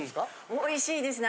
おいしいですね